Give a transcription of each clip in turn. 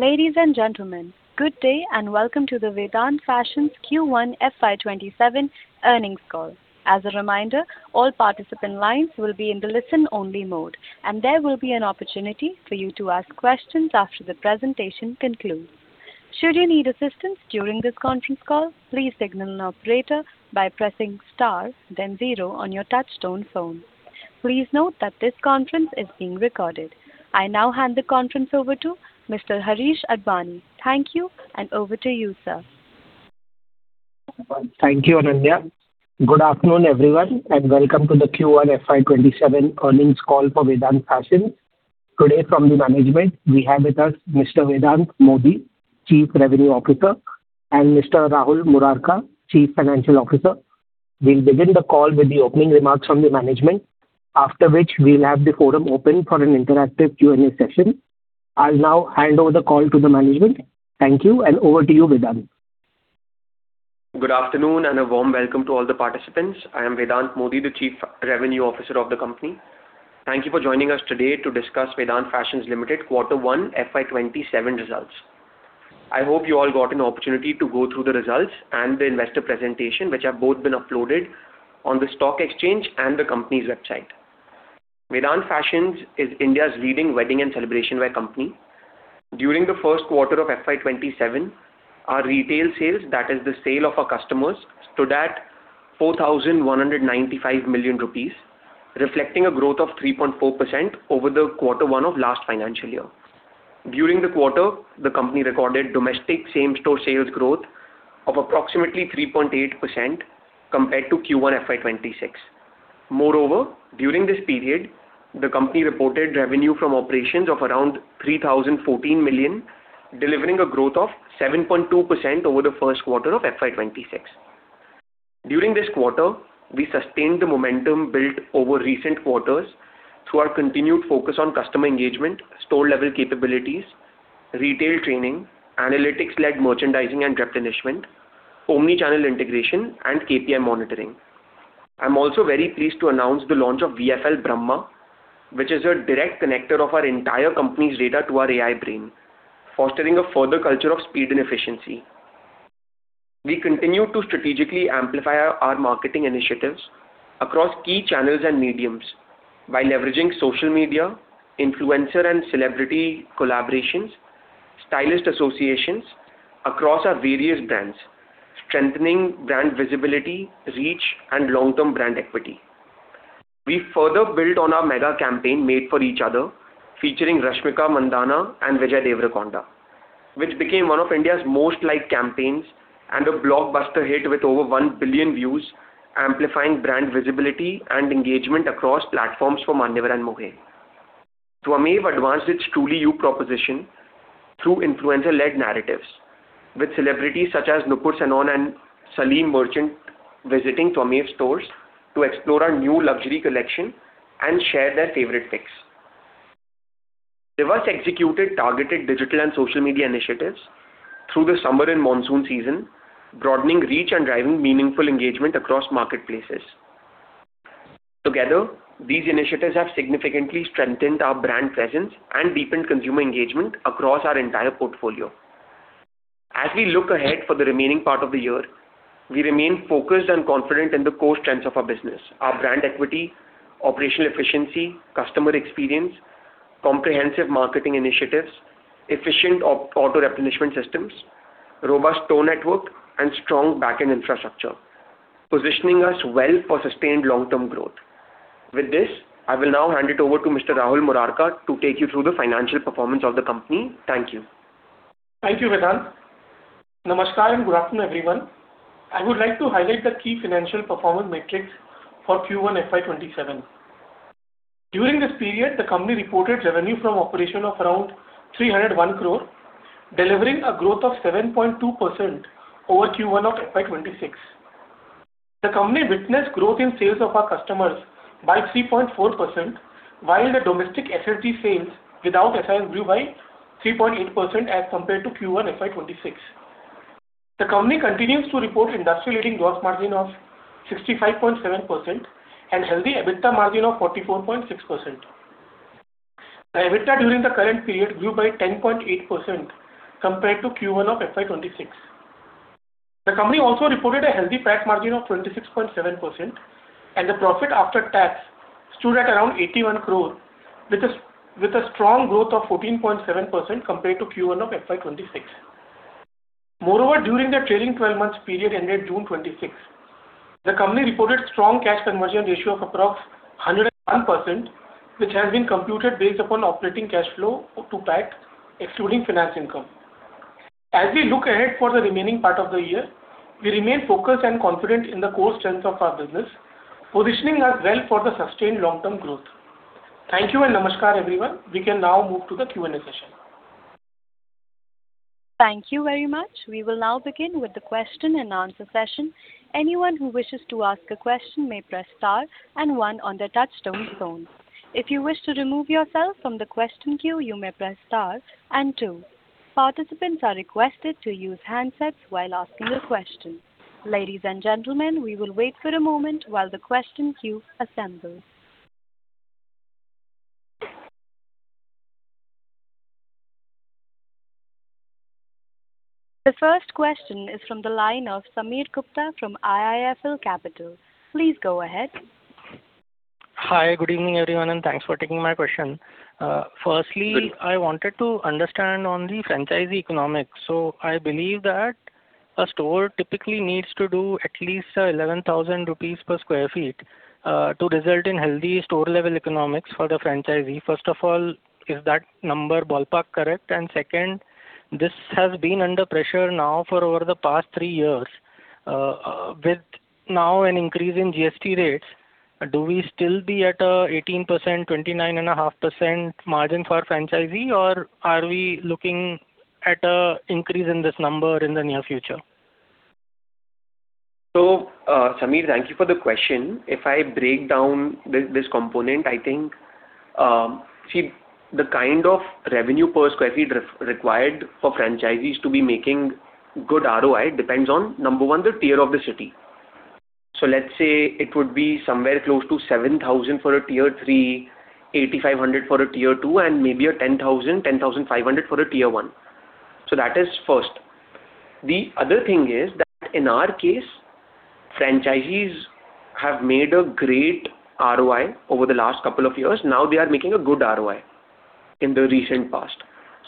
Ladies and gentlemen, good day and welcome to the Vedant Fashions Q1 FY 2027 Earnings Call. As a reminder, all participant lines will be in the listen-only mode, and there will be an opportunity for you to ask questions after the presentation concludes. Should you need assistance during this conference call, please signal an operator by pressing star then zero on your touch-tone phone. Please note that this conference is being recorded. I now hand the conference over to Mr. Harish Advani. Thank you, and over to you, sir. Thank you, Ananya. Good afternoon, everyone, and welcome to the Q1 FY 2027 earnings call for Vedant Fashions. Today from the management we have with us Mr. Vedant Modi, Chief Revenue Officer, and Mr. Rahul Murarka, Chief Financial Officer. We will begin the call with the opening remarks from the management, after which we will have the forum open for an interactive Q&A session. I will now hand over the call to the management. Thank you, and over to you, Vedant. Good afternoon, and a warm welcome to all the participants. I am Vedant Modi, the Chief Revenue Officer of the company. Thank you for joining us today to discuss Vedant Fashions Limited quarter one FY 2027 results. I hope you all got an opportunity to go through the results and the investor presentation, which have both been uploaded on the stock exchange and the company's website. Vedant Fashions is India's leading wedding and celebration wear company. During the first quarter of FY 2027, our retail sales, that is the sale of our customers, stood at 4,195 million rupees, reflecting a growth of 3.4% over the quarter one of last financial year. During the quarter, the company recorded domestic same-store sales growth of approximately 3.8% compared to Q1 FY 2026. During this period, the company reported revenue from operations of around 3,014 million, delivering a growth of 7.2% over the first quarter of FY 2026. During this quarter, we sustained the momentum built over recent quarters through our continued focus on customer engagement, store-level capabilities, retail training, analytics-led merchandising and replenishment, omnichannel integration, and KPI monitoring. I am also very pleased to announce the launch of VFL Brahma, which is a direct connector of our entire company's data to our AI brain, fostering a further culture of speed and efficiency. We continue to strategically amplify our marketing initiatives across key channels and mediums by leveraging social media, influencer and celebrity collaborations, stylist associations across our various brands, strengthening brand visibility, reach, and long-term brand equity. We further built on our mega campaign, Made for Each Other, featuring Rashmika Mandanna and Vijay Deverakonda, which became one of India's most liked campaigns and a blockbuster hit with over 1 billion views, amplifying brand visibility and engagement across platforms for Manyavar and Mohey. Twamev advanced its Truly You proposition through influencer-led narratives with celebrities such as Nupur Sanon and Salim Merchant visiting Twamev stores to explore our new luxury collection and share their favorite picks. They've thus executed targeted digital and social media initiatives through the summer and monsoon season, broadening reach and driving meaningful engagement across marketplaces. Together, these initiatives have significantly strengthened our brand presence and deepened consumer engagement across our entire portfolio. As we look ahead for the remaining part of the year, we remain focused and confident in the core strengths of our business, our brand equity, operational efficiency, customer experience, comprehensive marketing initiatives, efficient auto-replenishment systems, robust store network, and strong backend infrastructure, positioning us well for sustained long-term growth. With this, I will now hand it over to Mr. Rahul Murarka to take you through the financial performance of the company. Thank you. Thank you, Vedant. Namaskar and good afternoon, everyone. I would like to highlight the key financial performance metrics for Q1 FY 2027. During this period, the company reported revenue from operation of around 301 crore, delivering a growth of 7.2% over Q1 of FY 2026. The company witnessed growth in sales of our customers by 3.4%, while the domestic SSG sales without F&B grew by 3.8% as compared to Q1 FY 2026. The company continues to report industry-leading gross margin of 65.7% and healthy EBITDA margin of 44.6%. The EBITDA during the current period grew by 10.8% compared to Q1 of FY 2026. The company also reported a healthy PAT margin of 26.7%, and the profit after tax stood at around 81 crore, with a strong growth of 14.7% compared to Q1 of FY 2026. During the trailing 12 months period ended June 2026, the company reported strong cash conversion ratio of approx. 101%, which has been computed based upon operating cash flow to PAT, excluding finance income. As we look ahead for the remaining part of the year, we remain focused and confident in the core strengths of our business, positioning us well for the sustained long-term growth. Thank you and namaskar, everyone. We can now move to the Q&A session. Thank you very much. We will now begin with the question and answer session. Anyone who wishes to ask a question may press star and one on their touchtone phone. If you wish to remove yourself from the question queue, you may press star and two. Participants are requested to use handsets while asking a question. Ladies and gentlemen, we will wait for a moment while the question queue assembles. The first question is from the line of Sameer Gupta from IIFL Capital. Please go ahead. Hi. Good evening, everyone, and thanks for taking my question. Firstly, I wanted to understand on the franchisee economics. I believe that a store typically needs to do at least 11,000 rupees per sq ft to result in healthy store-level economics for the franchisee. First of all, is that number ballpark correct? Second, this has been under pressure now for over the past three years. With now an increase in GST rates, do we still be at 18%, 29.5% margin for franchisee, or are we looking at an increase in this number in the near future? Sameer, thank you for the question. If I break down this component, I think the kind of revenue per square feet required for franchisees to be making good ROI depends on, number one, the tier of the city. Let's say it would be somewhere close to 7,000 for a Tier 3, 8,500 for a Tier 2, and maybe 10,000, 10,500 for a Tier 1. That is first. The other thing is that in our case, franchisees have made a great ROI over the last couple of years. Now they are making a good ROI in the recent past.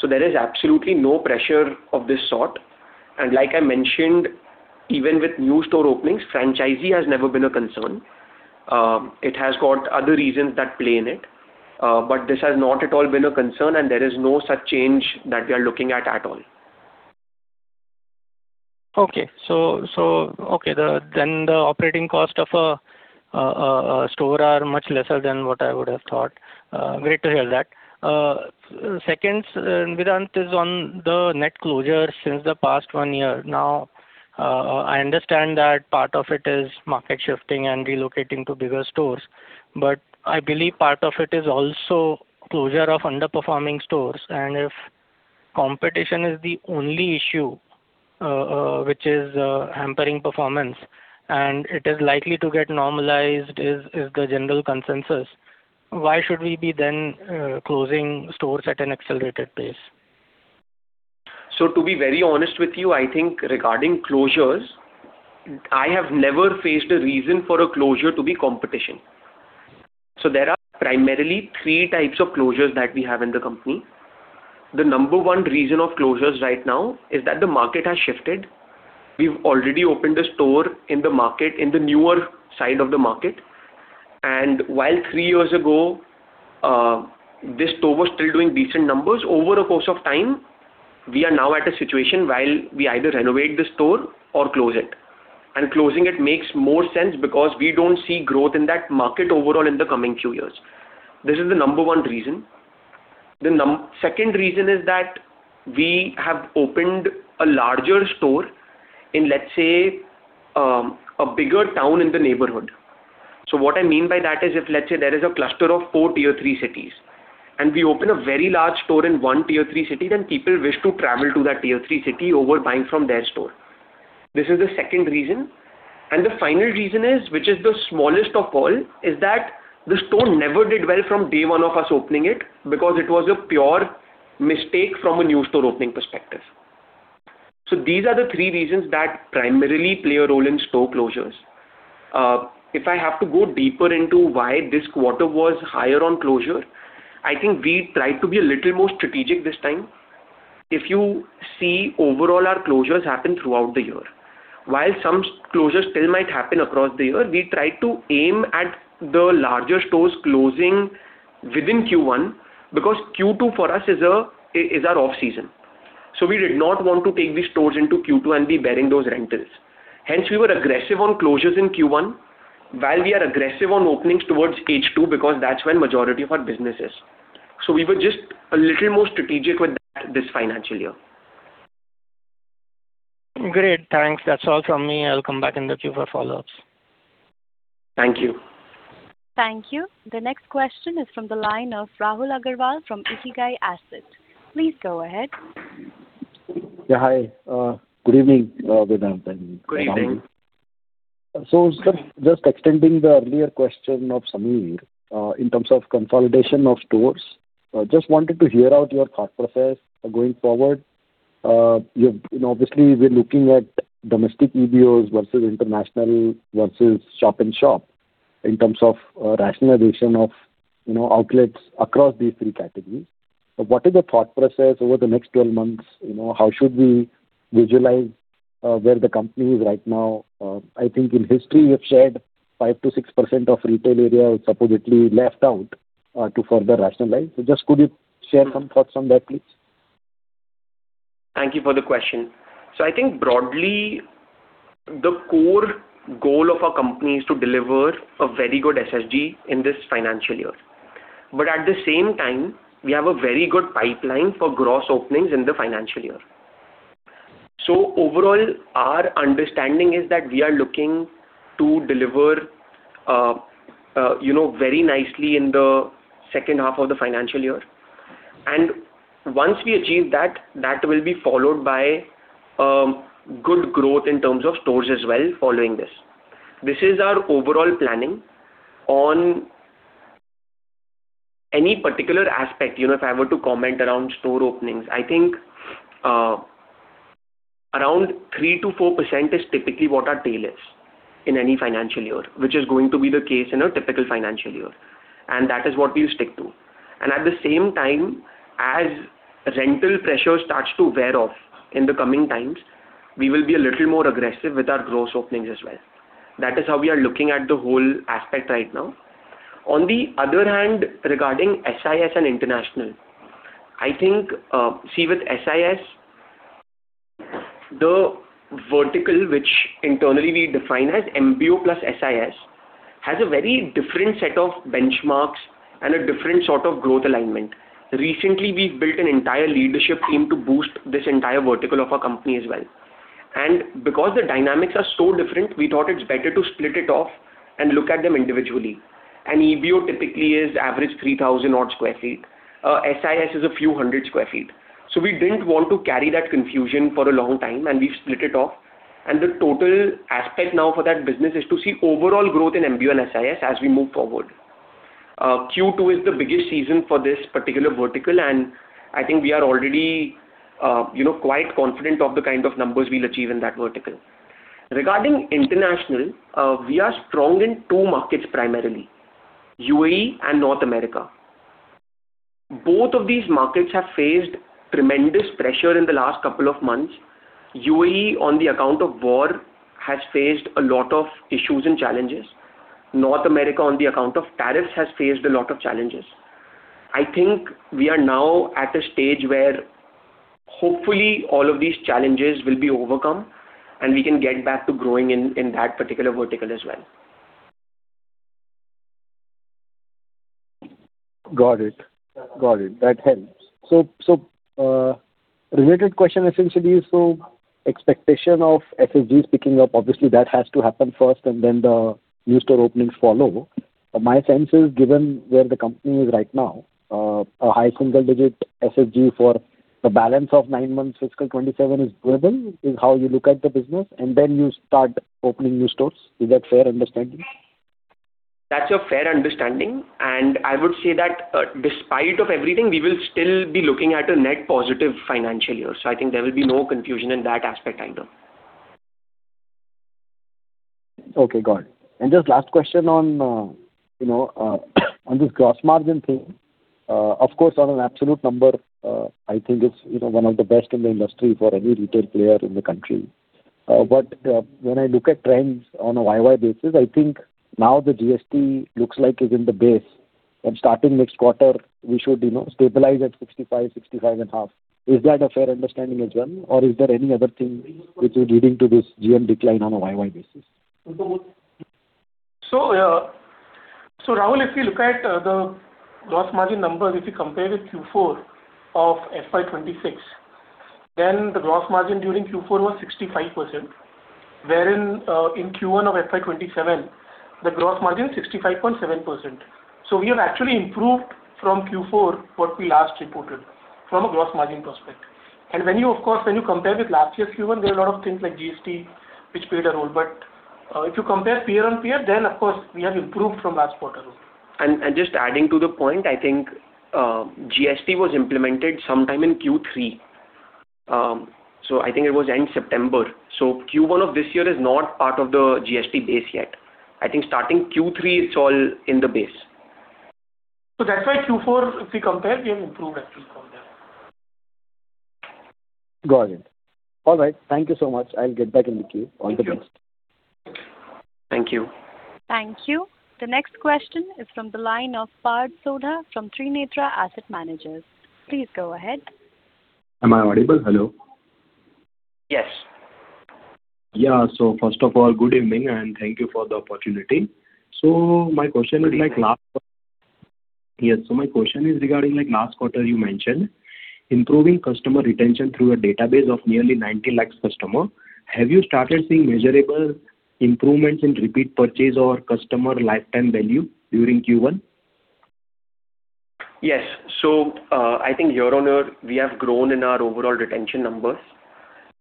There is absolutely no pressure of this sort. Like I mentioned, even with new store openings, franchisee has never been a concern. It has got other reasons that play in it. This has not at all been a concern, and there is no such change that we are looking at all. Okay. The operating cost of a store are much lesser than what I would have thought. Great to hear that. Second, Vedant, is on the net closures since the past one year now. I understand that part of it is market shifting and relocating to bigger stores. I believe part of it is also closure of underperforming stores. If competition is the only issue, which is hampering performance and it is likely to get normalized, is the general consensus, why should we be then closing stores at an accelerated pace? To be very honest with you, I think regarding closures, I have never faced a reason for a closure to be competition. There are primarily three types of closures that we have in the company. The number one reason of closures right now is that the market has shifted. We've already opened a store in the market, in the newer side of the market. While three years ago, this store was still doing decent numbers, over a course of time, we are now at a situation while we either renovate the store or close it. Closing it makes more sense because we don't see growth in that market overall in the coming few years. This is the number one reason. The second reason is that we have opened a larger store in, let's say, a bigger town in the neighborhood. What I mean by that is if, let's say, there is a cluster of four Tier 3 cities and we open a very large store in one Tier 3 city, then people wish to travel to that Tier 3 city over buying from their store. This is the second reason. The final reason is, which is the smallest of all, is that the store never did well from day one of us opening it because it was a pure mistake from a new store opening perspective. These are the three reasons that primarily play a role in store closures. If I have to go deeper into why this quarter was higher on closure, I think we tried to be a little more strategic this time. If you see overall, our closures happen throughout the year. While some closures still might happen across the year, we try to aim at the larger stores closing within Q1 because Q2 for us is our off-season. We did not want to take these stores into Q2 and be bearing those rentals. Hence, we were aggressive on closures in Q1 while we are aggressive on openings towards H2 because that's when majority of our business is. We were just a little more strategic with that this financial year. Great. Thanks. That's all from me. I'll come back in the queue for follow-ups. Thank you. Thank you. The next question is from the line of Rahul Agarwal from Ikigai Asset. Please go ahead. Yeah, hi. Good evening, Vedant and Rahul. Good evening. Just extending the earlier question of Sameer in terms of consolidation of stores. Just wanted to hear out your thought process going forward. Obviously, we're looking at domestic EBOs versus international versus shop in shop in terms of rationalization of outlets across these three categories. What is the thought process over the next 12 months? How should we visualize where the company is right now? I think in history, you have shared 5%-6% of retail area is supposedly left out to further rationalize. Just could you share some thoughts on that, please? Thank you for the question. I think broadly, the core goal of our company is to deliver a very good SSG in this financial year. At the same time, we have a very good pipeline for gross openings in the financial year. Overall, our understanding is that we are looking to deliver very nicely in the second half of the financial year. Once we achieve that will be followed by good growth in terms of stores as well following this. This is our overall planning. On any particular aspect, if I were to comment around store openings, I think around 3%-4% is typically what our tail is in any financial year, which is going to be the case in a typical financial year. That is what we'll stick to. At the same time, as rental pressure starts to wear off in the coming times, we'll be a little more aggressive with our gross openings as well. That is how we are looking at the whole aspect right now. On the other hand, regarding SIS and international, I think, see with SIS, the vertical, which internally we define as MBO + SIS, has a very different set of benchmarks and a different sort of growth alignment. Recently, we've built an entire leadership team to boost this entire vertical of our company as well. Because the dynamics are so different, we thought it's better to split it off and look at them individually. An MBO typically is average 3,000 sq ft odd. A SIS is a few hundred square feet. We didn't want to carry that confusion for a long time, and we've split it off. The total aspect now for that business is to see overall growth in MBO and SIS as we move forward. Q2 is the biggest season for this particular vertical, and I think we are already quite confident of the kind of numbers we'll achieve in that vertical. Regarding international, we are strong in two markets primarily, UAE and North America. Both of these markets have faced tremendous pressure in the last couple of months. UAE, on the account of war, has faced a lot of issues and challenges. North America, on the account of tariffs, has faced a lot of challenges. I think we are now at a stage where hopefully all of these challenges will be overcome and we can get back to growing in that particular vertical as well. Got it. Got it. That helps. A related question essentially is, so expectation of SSG picking up, obviously that has to happen first, and then the new store openings follow. My sense is given where the company is right now, a high single-digit SSG for the balance of nine months fiscal 2027 is given, is how you look at the business, and then you start opening new stores. Is that fair understanding? That's a fair understanding. I would say that despite of everything, we will still be looking at a net positive financial year. I think there will be no confusion in that aspect either. Okay, got it. Just last question on this gross margin thing. Of course, on an absolute number, I think it's one of the best in the industry for any retail player in the country. When I look at trends on a YoY basis, I think now the GST looks like is in the base, and starting next quarter, we should stabilize at 65%, 65.5%. Is that a fair understanding as well? Is there any other thing which is leading to this GM decline on a YoY basis? Rahul, if you look at the gross margin numbers, if you compare with Q4 of FY 2026, then the gross margin during Q4 was 65%, wherein in Q1 of FY 2027, the gross margin is 65.7%. We have actually improved from Q4, what we last reported, from a gross margin prospect. When you, of course, when you compare with last year's Q1, there are a lot of things like GST, which played a role. If you compare peer on peer, then of course, we have improved from last quarter. Just adding to the point, I think GST was implemented sometime in Q3. I think it was end September. Q1 of this year is not part of the GST base yet. I think starting Q3, it's all in the base. That's why Q4, if we compare, we have improved actually from that. Got it. All right. Thank you so much. I'll get back in the queue. All the best. Thank you. Thank you. The next question is from the line of Parth Sodha from Trinetra Asset Managers. Please go ahead. Am I audible? Hello. Yes. Yeah. First of all, good evening, and thank you for the opportunity. My question is like last-- Good evening. Yes. My question is regarding last quarter you mentioned improving customer retention through a database of nearly 90 lakh customers. Have you started seeing measurable improvements in repeat purchase or customer lifetime value during Q1? Yes. I think year-on-year, we have grown in our overall retention numbers,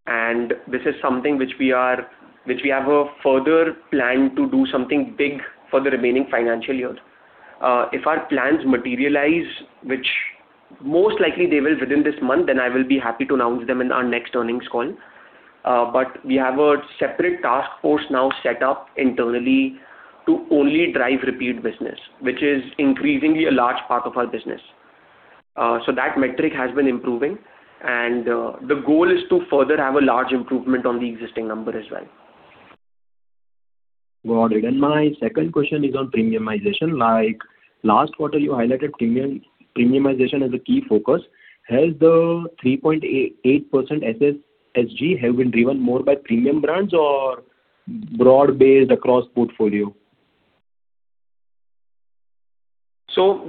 and this is something which we have a further plan to do something big for the remaining financial year. If our plans materialize, which most likely they will within this month, then I will be happy to announce them in our next earnings call. We have a separate task force now set up internally to only drive repeat business, which is increasingly a large part of our business. That metric has been improving, and the goal is to further have a large improvement on the existing number as well. Got it. My second question is on premiumization. Like last quarter, you highlighted premiumization as a key focus. Has the 3.88% SSG have been driven more by premium brands or broad-based across portfolio?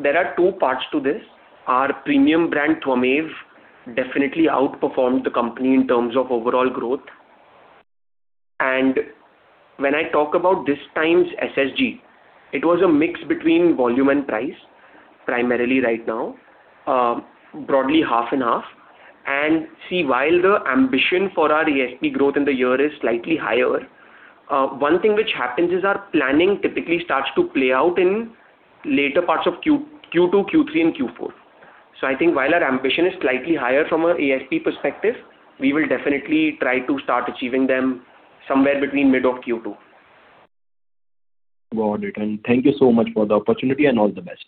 There are two parts to this. Our premium brand, Twamev, definitely outperformed the company in terms of overall growth. When I talk about this time's SSG, it was a mix between volume and price primarily right now, broadly half and half. While the ambition for our ESP growth in the year is slightly higher, one thing which happens is our planning typically starts to play out in later parts of Q2, Q3, and Q4. I think while our ambition is slightly higher from a ESP perspective, we will definitely try to start achieving them somewhere between mid of Q2. Got it. Thank you so much for the opportunity, and all the best.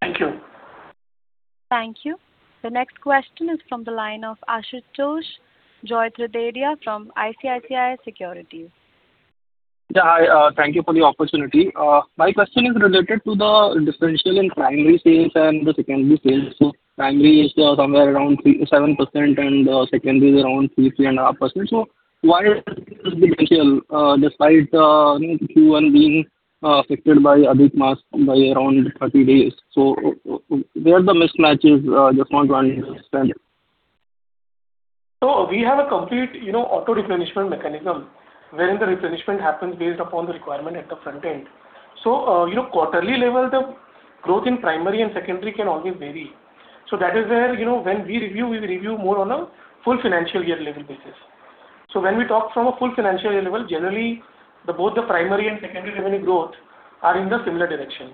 Thank you. Thank you. The next question is from the line of Ashutosh Joytiraditya from ICICI Securities. Hi. Thank you for the opportunity. My question is related to the differential in primary sales and the secondary sales. Primary is somewhere around 7% and secondary is around 3.5%. Why despite Q1 being affected by Adhik Maas by around 30 days? Where the mismatch is, just want to understand. We have a complete auto-replenishment mechanism wherein the replenishment happens based upon the requirement at the front end. Quarterly level, the growth in primary and secondary can always vary. That is where when we review, we review more on a full financial year level basis. When we talk from a full financial year level, generally, both the primary and secondary revenue growth are in the similar direction.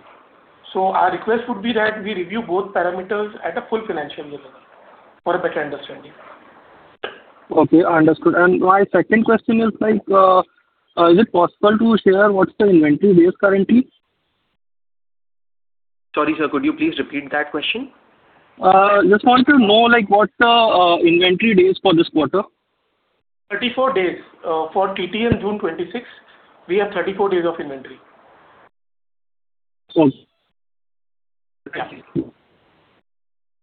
Our request would be that we review both parameters at a full financial year level for a better understanding. Okay, understood. My second question is it possible to share what's the inventory days currently? Sorry, sir, could you please repeat that question? Just want to know what's the inventory days for this quarter? 34 days. For TT end June 26, we have 34 days of inventory. Thanks.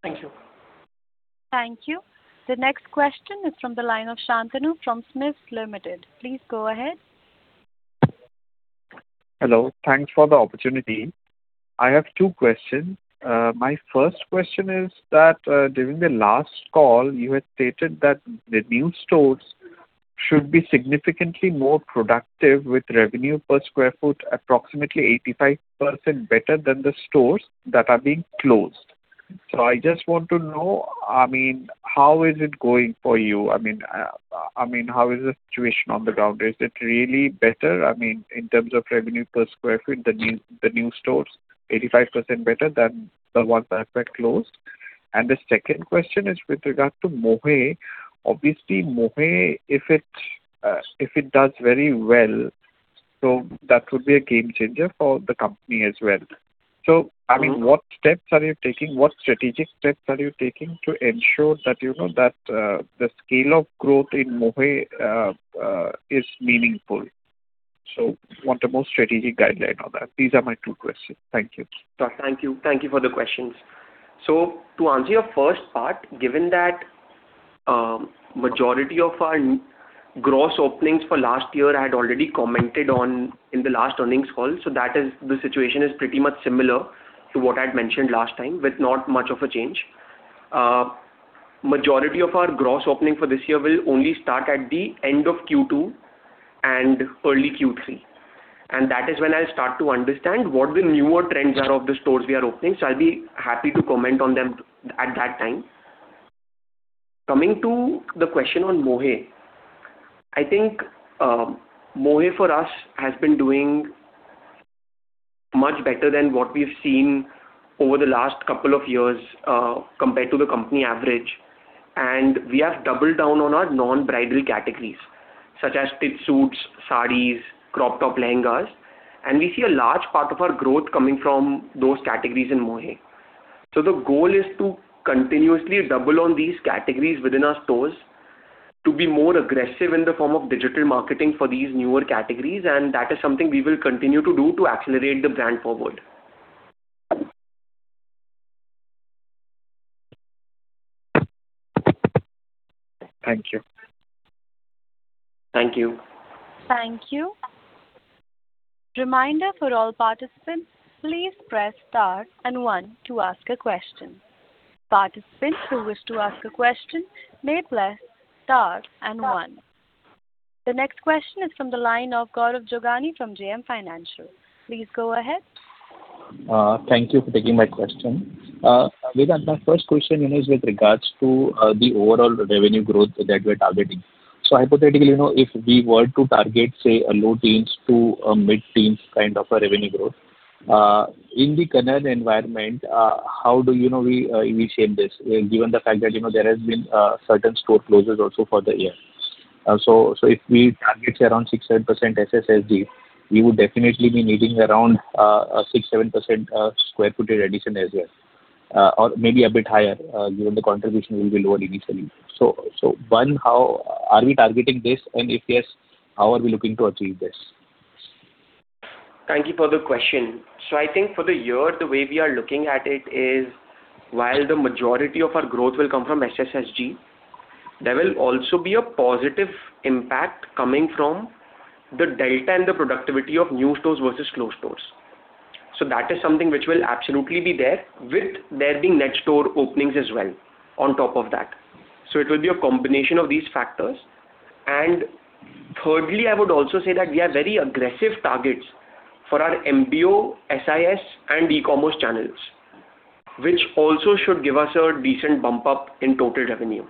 Thank you. Thank you. The next question is from the line of Shantanu from SMIFS Limited. Please go ahead. Hello. Thanks for the opportunity. I have two questions. My first question is that during the last call, you had stated that the new stores should be significantly more productive with revenue per square foot approximately 85% better than the stores that are being closed. I just want to know, how is it going for you? How is the situation on the ground? Is it really better, in terms of revenue per square foot, the new stores, 85% better than the ones that have been closed? The second question is with regard to Mohey. Obviously, Mohey, if it does very well, that would be a game changer for the company as well. What steps are you taking, what strategic steps are you taking to ensure that the scale of growth in Mohey is meaningful? Want a more strategic guideline on that. These are my two questions. Thank you. Thank you for the questions. To answer your first part, given that majority of our gross openings for last year I had already commented on in the last earnings call. The situation is pretty much similar to what I had mentioned last time, with not much of a change. Majority of our gross opening for this year will only start at the end of Q2 and early Q3. That is when I'll start to understand what the newer trends are of the stores we are opening. I'll be happy to comment on them at that time. Coming to the question on Mohey. I think Mohey for us has been doing much better than what we've seen over the last couple of years compared to the company average. We have doubled down on our non-bridal categories such as stitch suits, sarees, crop top lehengas, and we see a large part of our growth coming from those categories in Mohey. The goal is to continuously double on these categories within our stores to be more aggressive in the form of digital marketing for these newer categories, and that is something we will continue to do to accelerate the brand forward. Thank you. Thank you. Thank you. Reminder for all participants, please press star and one to ask a question. Participants who wish to ask a question may press star and one. The next question is from the line of Gaurav Jogani from JM Financial. Please go ahead. Thank you for taking my question. Vedant, my first question is with regards to the overall revenue growth that we're targeting. Hypothetically, if we were to target, say, a low teens to a mid-teens kind of a revenue growth, in the current environment, how do we initiate this, given the fact that there has been certain store closures also for the year. If we target, say, around 6%-7% SSG, we would definitely be needing around 6%-7% square footage addition as well or maybe a bit higher given the contribution will be lower initially. One, are we targeting this? If yes, how are we looking to achieve this? Thank you for the question. I think for the year, the way we are looking at it is while the majority of our growth will come from SSG, there will also be a positive impact coming from the delta and the productivity of new stores versus closed stores. That is something which will absolutely be there with there being net store openings as well on top of that. It will be a combination of these factors. Thirdly, I would also say that we have very aggressive targets for our MBO, SIS, and e-commerce channels, which also should give us a decent bump up in total revenue.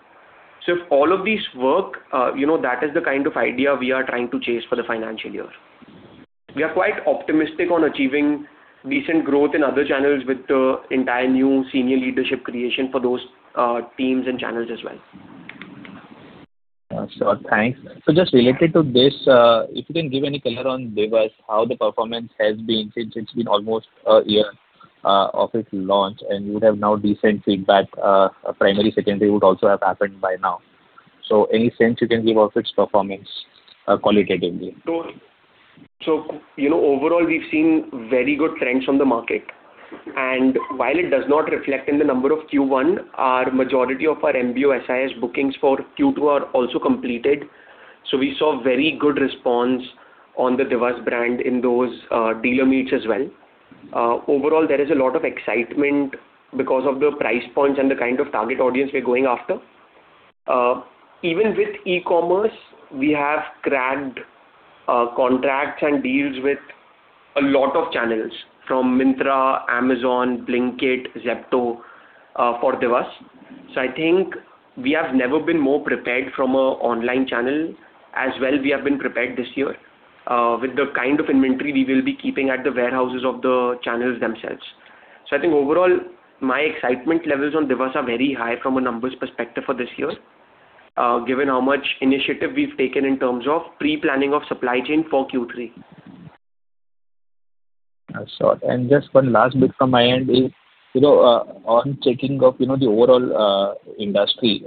If all of these work, that is the kind of idea we are trying to chase for the financial year. We are quite optimistic on achieving decent growth in other channels with the entire new senior leadership creation for those teams and channels as well. Sure. Thanks. Just related to this, if you can give any color on Diwas, how the performance has been since it's been almost a year of its launch, and you would have now decent feedback, primary, secondary would also have happened by now. Any sense you can give of its performance qualitatively? Overall, we've seen very good trends from the market. While it does not reflect in the number of Q1, a majority of our MBO SIS bookings for Q2 are also completed. We saw very good response on the Diwas brand in those dealer meets as well. Overall, there is a lot of excitement because of the price points and the kind of target audience we're going after. Even with e-commerce, we have grabbed contracts and deals with a lot of channels, from Myntra, Amazon, Blinkit, Zepto, for Diwas. I think we have never been more prepared from an online channel as well we have been prepared this year, with the kind of inventory we will be keeping at the warehouses of the channels themselves. I think overall, my excitement levels on Diwas are very high from a numbers perspective for this year, given how much initiative we've taken in terms of pre-planning of supply chain for Q3. Sure. Just one last bit from my end is, on checking of the overall industry,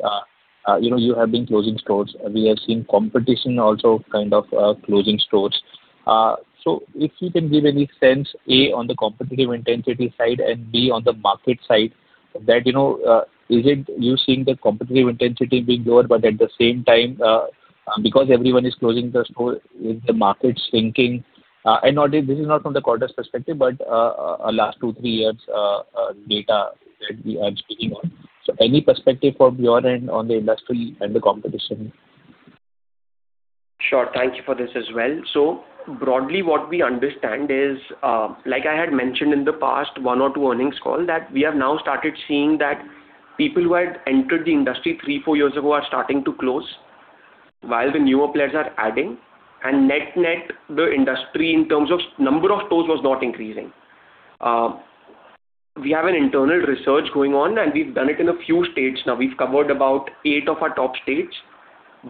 you have been closing stores. We have seen competition also kind of closing stores. If you can give any sense, A, on the competitive intensity side, and B, on the market side, that, is it you seeing the competitive intensity being lower, but at the same time, because everyone is closing their store, is the market shrinking? This is not from the quarters perspective, but last two, three years' data that we are speaking on. Any perspective from your end on the industry and the competition? Sure. Thank you for this as well. Broadly what we understand is, like I had mentioned in the past one or two earnings call, that we have now started seeing that people who had entered the industry three, four years ago are starting to close, while the newer players are adding, and net-net the industry in terms of number of stores was not increasing. We have an internal research going on, and we've done it in a few states now. We've covered about eight of our top states.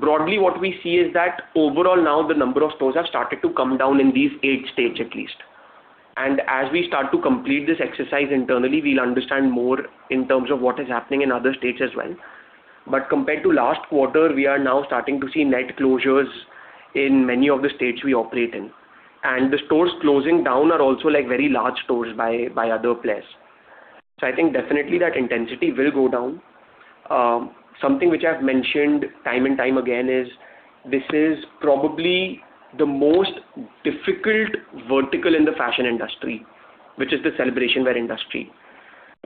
Broadly what we see is that overall now the number of stores have started to come down in these eight states at least. As we start to complete this exercise internally, we'll understand more in terms of what is happening in other states as well. Compared to last quarter, we are now starting to see net closures in many of the states we operate in. The stores closing down are also very large stores by other players. I think definitely that intensity will go down. Something which I've mentioned time and time again is, this is probably the most difficult vertical in the fashion industry, which is the celebration wear industry.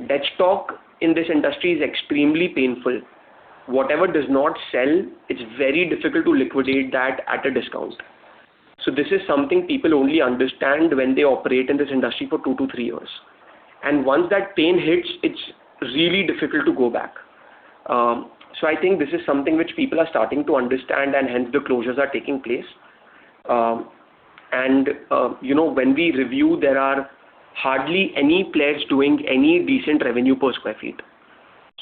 Dead stock in this industry is extremely painful. Whatever does not sell, it's very difficult to liquidate that at a discount. This is something people only understand when they operate in this industry for two to three years. Once that pain hits, it's really difficult to go back. I think this is something which people are starting to understand, and hence the closures are taking place. When we review, there are hardly any players doing any decent revenue per square feet.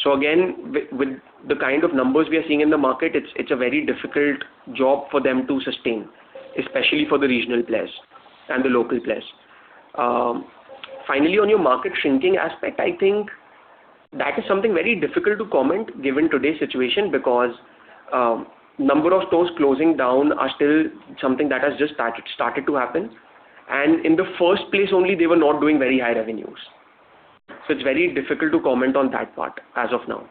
Again, with the kind of numbers we are seeing in the market, it's a very difficult job for them to sustain, especially for the regional players and the local players. Finally, on your market shrinking aspect, I think that is something very difficult to comment given today's situation because number of stores closing down are still something that has just started to happen. In the first place only, they were not doing very high revenues. It's very difficult to comment on that part as of now.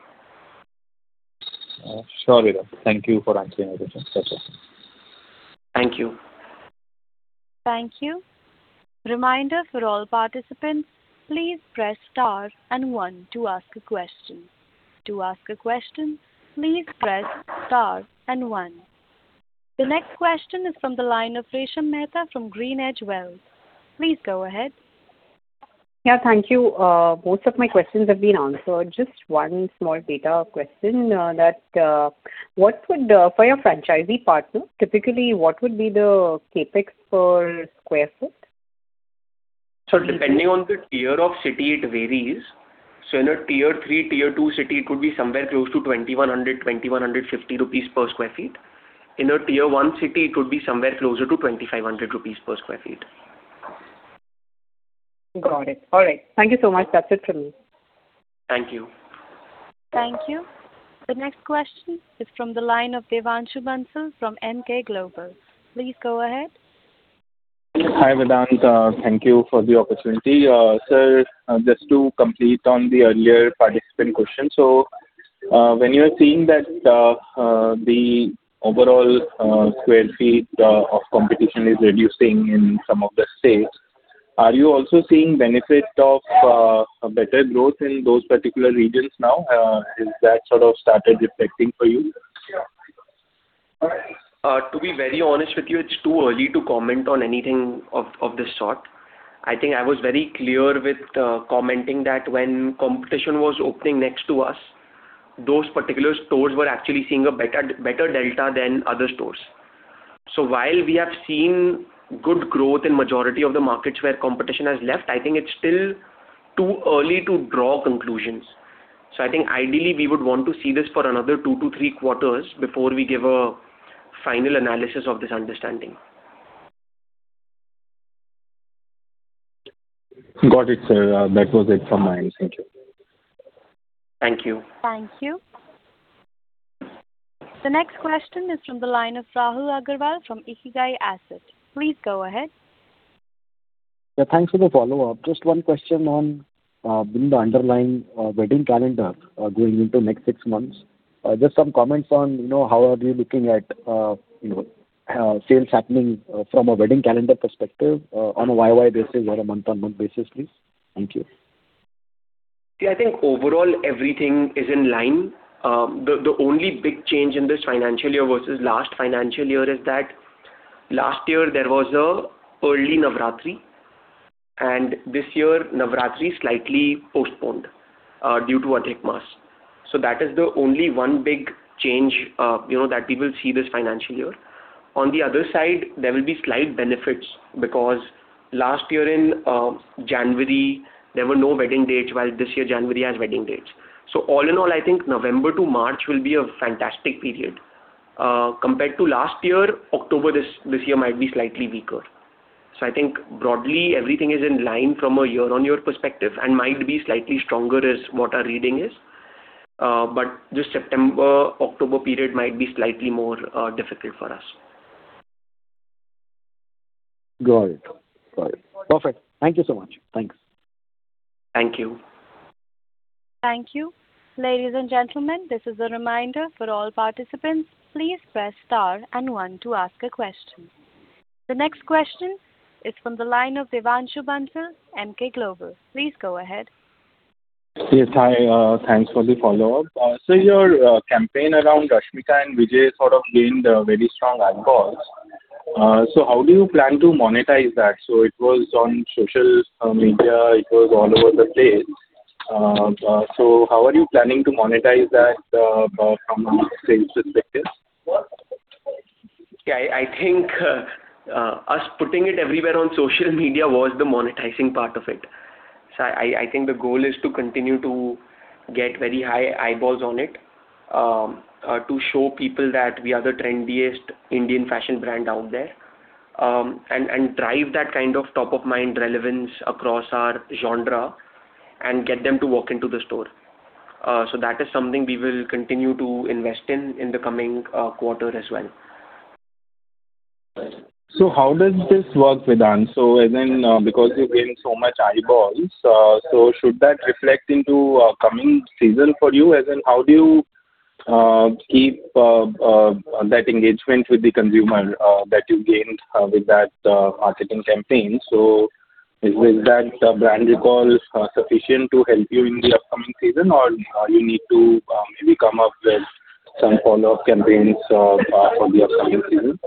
Sure. Thank you for answering my question. That's all. Thank you. Thank you. Reminder for all participants, please press star and one to ask a question. To ask a question, please press star and one. The next question is from the line of Resha Mehta from GreenEdge Wealth. Please go ahead. Yeah, thank you. Most of my questions have been answered. Just one small data question that, for your franchisee partners, typically what would be the CapEx per square feet? Depending on the tier of city, it varies. In a Tier 3, Tier 2 city, it could be somewhere close to 2,100, 2,150 rupees per sq ft. In a Tier 1 city, it would be somewhere closer to 2,500 rupees per sq ft. Got it. All right. Thank you so much. That's it from me. Thank you. Thank you. The next question is from the line of Devanshu Bansal from Emkay Global. Please go ahead. Hi, Vedant. Thank you for the opportunity. Sir, just to complete on the earlier participant question. When you are seeing that the overall square feet of competition is reducing in some of the states, are you also seeing benefit of a better growth in those particular regions now? Has that started reflecting for you? To be very honest with you, it is too early to comment on anything of this sort. I think I was very clear with commenting that when competition was opening next to us, those particular stores were actually seeing a better delta than other stores. While we have seen good growth in majority of the markets where competition has left, I think it is still too early to draw conclusions. I think ideally we would want to see this for another two to three quarters before we give a final analysis of this understanding. Got it, sir. That was it from my end. Thank you. Thank you. Thank you. The next question is from the line of Rahul Agarwal from Ikigai Asset. Please go ahead. Yeah, thanks for the follow-up. Just one question on the underlying wedding calendar going into next six months. Just some comments on how are you looking at sales happening from a wedding calendar perspective on a YoY basis or a month-on-month basis, please? Thank you. I think overall everything is in line. The only big change in this financial year versus last financial year is that last year there was an early Navratri, and this year Navratri slightly postponed due to Adhik Maas. That is the only one big change that we will see this financial year. On the other side, there will be slight benefits because last year in January there were no wedding dates, while this year January has wedding dates. All in all, I think November to March will be a fantastic period. Compared to last year, October this year might be slightly weaker. I think broadly everything is in line from a year-on-year perspective and might be slightly stronger as what our reading is. This September-October period might be slightly more difficult for us. Got it. Perfect. Thank you so much. Thanks. Thank you. Thank you. Ladies and gentlemen, this is a reminder for all participants, please press star and one to ask a question. The next question is from the line of Devanshu Bansal, Emkay Global. Please go ahead. Yes, hi. Thanks for the follow-up. Your campaign around Rashmika and Vijay sort of gained a very strong eyeballs. How do you plan to monetize that? It was on social media, it was all over the place. How are you planning to monetize that from a sales perspective? Yeah, I think us putting it everywhere on social media was the monetizing part of it. I think the goal is to continue to get very high eyeballs on it, to show people that we are the trendiest Indian fashion brand out there, and drive that kind of top-of-mind relevance across our genre and get them to walk into the store. That is something we will continue to invest in in the coming quarter as well. How does this work, Vedant? Because you gained so much eyeballs, should that reflect into coming season for you? How do you keep that engagement with the consumer that you gained with that marketing campaign? Is that brand recall sufficient to help you in the upcoming season, or you need to maybe come up with some follow-up campaigns for the upcoming season?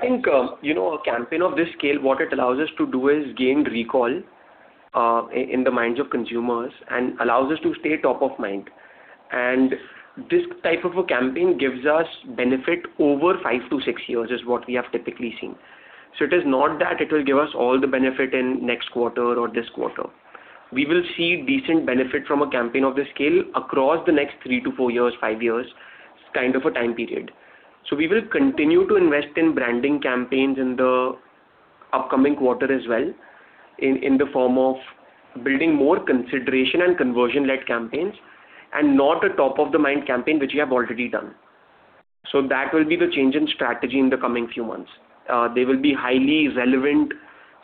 I think, a campaign of this scale, what it allows us to do is gain recall in the minds of consumers and allows us to stay top of mind. This type of a campaign gives us benefit over five to six years, is what we have typically seen. It is not that it will give us all the benefit in next quarter or this quarter. We will see decent benefit from a campaign of this scale across the next three to four years, five years kind of a time period. We will continue to invest in branding campaigns in the upcoming quarter as well in the form of building more consideration and conversion-led campaigns, and not a top-of-the-mind campaign, which we have already done. That will be the change in strategy in the coming few months. They will be highly relevant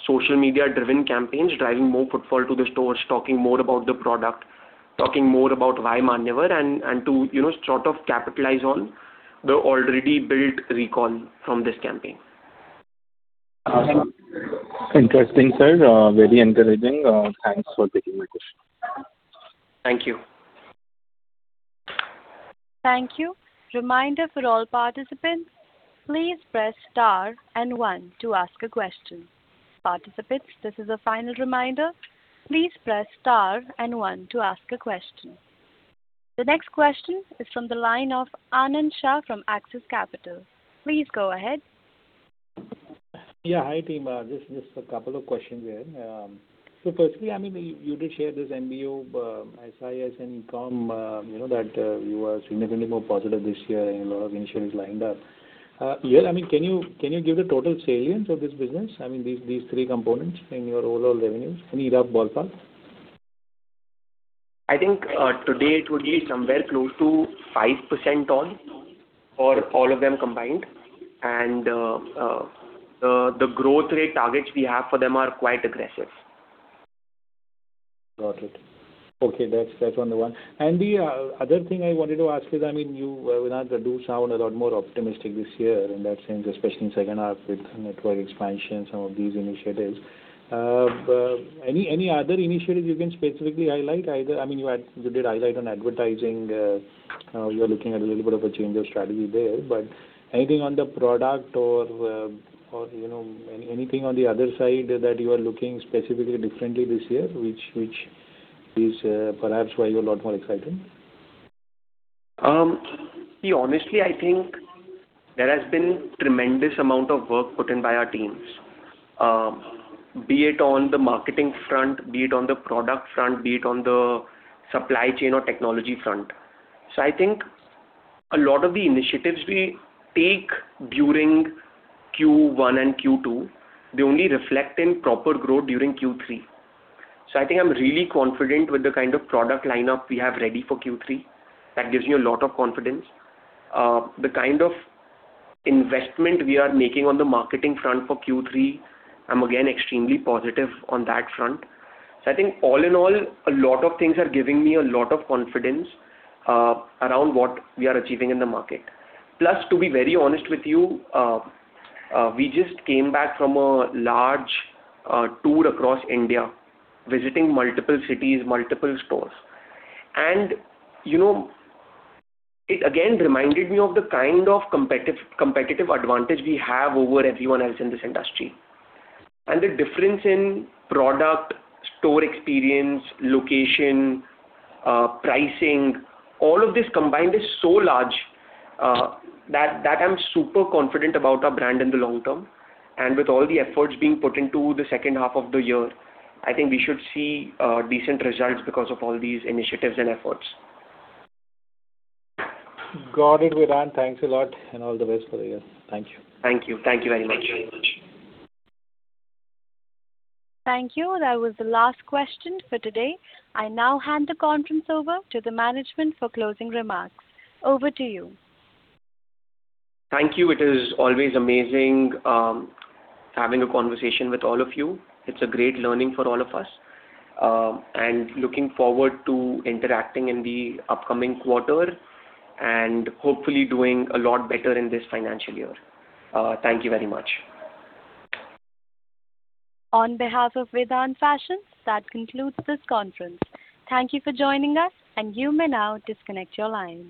social media driven campaigns, driving more footfall to the stores, talking more about the product, talking more about why Manyavar, and to sort of capitalize on the already built recall from this campaign. Interesting, sir. Very encouraging. Thanks for taking my question. Thank you. Thank you. Reminder for all participants, please press star and one to ask a question. Participants, this is a final reminder. Please press star and one to ask a question. The next question is from the line of Anand Shah from Axis Capital. Please go ahead. Yeah, hi team. Just a couple of questions here. Firstly, you did share this MBO, SIS and ECOM, that you are significantly more positive this year and a lot of initiatives lined up. Here, can you give the total salience of this business? These three components in your overall revenues. Any rough ballpark? I think today it would be somewhere close to 5% or all of them combined. The growth rate targets we have for them are quite aggressive. Got it. Okay. That's one down. The other thing I wanted to ask is, you, Vedant, do sound a lot more optimistic this year, in that sense, especially in second half with network expansion, some of these initiatives. Any other initiatives you can specifically highlight? You did highlight on advertising, you're looking at a little bit of a change of strategy there, but anything on the product or anything on the other side that you are looking specifically differently this year, which is perhaps why you're a lot more excited? Honestly, I think there has been tremendous amount of work put in by our teams, be it on the marketing front, be it on the product front, be it on the supply chain or technology front. I think a lot of the initiatives we take during Q1 and Q2, they only reflect in proper growth during Q3. I think I'm really confident with the kind of product lineup we have ready for Q3. That gives me a lot of confidence. The kind of investment we are making on the marketing front for Q3, I'm again extremely positive on that front. I think all in all, a lot of things are giving me a lot of confidence around what we are achieving in the market. Plus, to be very honest with you, we just came back from a large tour across India, visiting multiple cities, multiple stores. It again reminded me of the kind of competitive advantage we have over everyone else in this industry. The difference in product, store experience, location, pricing, all of this combined is so large, that I'm super confident about our brand in the long term. With all the efforts being put into the second half of the year, I think we should see decent results because of all these initiatives and efforts. Got it, Vedant. Thanks a lot, and all the best for the year. Thank you. Thank you. Thank you very much. Thank you. That was the last question for today. I now hand the conference over to the management for closing remarks. Over to you. Thank you. It is always amazing having a conversation with all of you. It's a great learning for all of us. Looking forward to interacting in the upcoming quarter, hopefully doing a lot better in this financial year. Thank you very much. On behalf of Vedant Fashions, that concludes this conference. Thank you for joining us, you may now disconnect your lines.